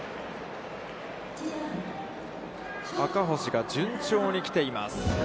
赤星が順調に来ています。